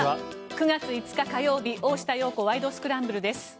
９月５日、火曜日「大下容子ワイド！スクランブル」です。